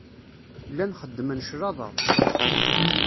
Llan xeddmen claṭa.